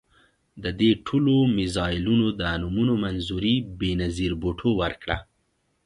د دې ټولو میزایلونو د نومونو منظوري بېنظیر بوټو ورکړه.